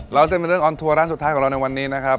เส้นเป็นเรื่องออนทัวร์ร้านสุดท้ายของเราในวันนี้นะครับ